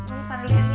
umi sana dulu umi